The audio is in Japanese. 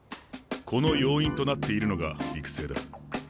この要因となっているのが育成だ。